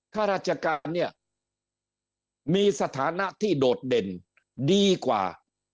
ข้าราชการเนี่ยมีสถานะที่โดดเด่นดีกว่า